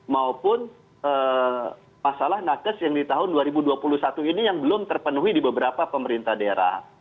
maupun masalah nakes yang di tahun dua ribu dua puluh satu ini yang belum terpenuhi di beberapa pemerintah daerah